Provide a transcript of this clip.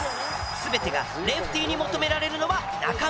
全てがレフティに求められるのは中村から。